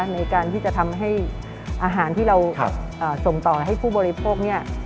ในการที่จะทำให้อาหารที่เราส่งต่อให้ผู้บริโภคเนี่ย